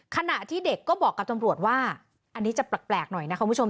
ขณะที่เด็กก็บอกกับตำรวจว่าอันนี้จะแปลกหน่อยนะคุณผู้ชม